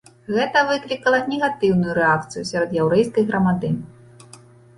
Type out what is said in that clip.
Гэта выклікала негатыўную рэакцыю сярод яўрэйскай грамады.